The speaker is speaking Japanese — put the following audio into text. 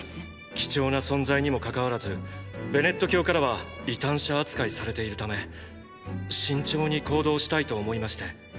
貴重な存在にもかかわらずベネット教からは異端者扱いされているため慎重に行動したいと思いまして。